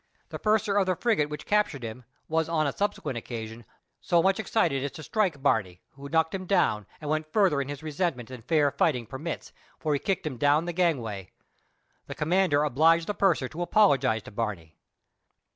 The purser of the frigate which captured him, was on a subsequent occasion, so much excited as to strike Barney, who knocked him down, and went further in his resentment than fair fighting permits, for he kicked him down the gangway. The commander obliged the purser to apologize to Barney.